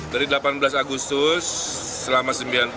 dari delapan belas agustus selama sembilan puluh